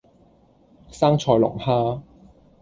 生菜龍蝦